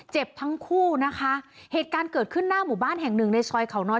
เจ็บทั้งคู่นะคะเหตุการณ์เกิดขึ้นหน้าหมู่บ้านแห่งหนึ่งในซอยเขาน้อย